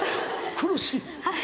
苦しい？